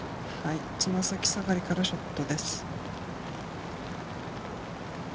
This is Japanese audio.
つま先下がりからのショットです。